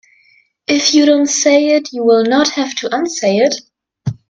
If you don't say it you will not have to unsay it.